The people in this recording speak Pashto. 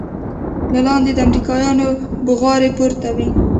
له لاندې د امريکايانو بوغارې پورته وې.